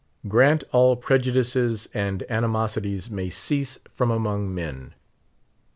( Grant all prejudices and ani 51 mosities may cease from among men.